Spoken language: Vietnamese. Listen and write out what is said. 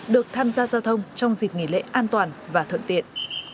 được tham gia giao thông trong dịp nghỉ lễ an toàn và thuận tiện